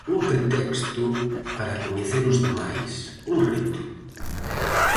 Un pretexto para coñecer os demais, un reto.